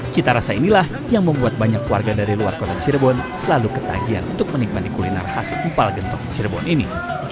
cita rasa inilah yang membuat banyak warga dari luar kota cirebon selalu ketagihan untuk menikmati kuliner khas empal gentong cirebon ini